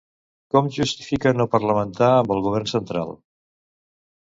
Com justifica no parlamentar amb el govern central?